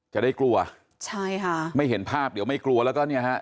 จะได้กลัวใช่ค่ะไม่เห็นภาพเดี๋ยวไม่กลัวแล้วก็เนี่ยฮะ